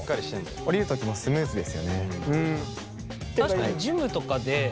下りる時もスムーズですよね。